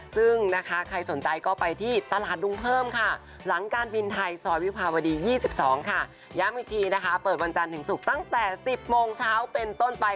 ซึ่งนะคะใครสนใจก็ไปที่ตลาดดุงเพิ่มค่ะหลังการบินไทยซอยวิภาวดี๒๒ค่ะย้ำอีกทีนะคะเปิดวันจันทร์ถึงศุกร์ตั้งแต่๑๐โมงเช้าเป็นต้นไป